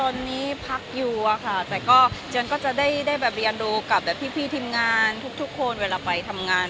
ตอนนี้พักอยู่ค่ะแต่เดี๋ยวก็ได้เรียนลูกกับทีมงานทุกคนเวลาไปทำงาน